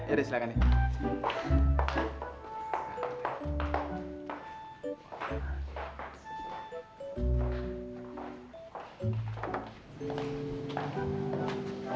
yaudah silakan ya